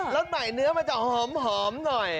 สใหม่เนื้อมันจะหอมหน่อย